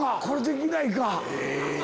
これできないか。